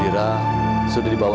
dia harus selain nafa aja